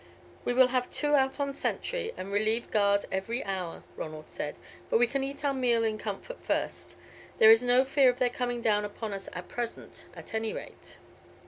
"We will have two out on sentry, and relieve guard every hour," Ronald said, "but we can eat our meal in comfort first. There is no fear of their coming down upon us at present, at any rate."